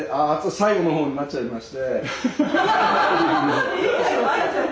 最後の方になっちゃいまして。